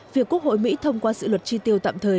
việc quốc hội mỹ thông qua sự luật tri tiêu tạm thời